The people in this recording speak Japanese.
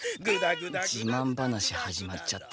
じまん話始まっちゃった。